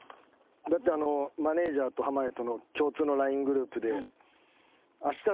だってマネジャーと濱家との共通のＬＩＮＥグループで。